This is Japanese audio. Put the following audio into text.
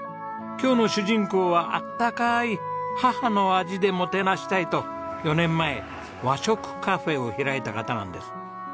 今日の主人公はあったかい母の味でもてなしたいと４年前和食カフェを開いた方なんです。